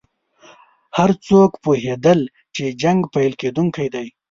هر څوک پوهېدل چې جنګ پیل کېدونکی دی.